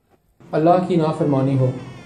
، اللہ کی نافرمانی ہو